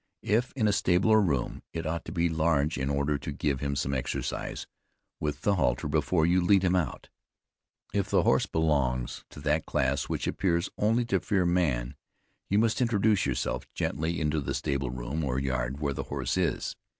If in a stable or room, it ought to be large in order to give him some exercise with the halter before you lead him out. If the horse belong to that class which appears only to fear man, you must introduce yourself gently into the stable, room, or yard, where the horse is.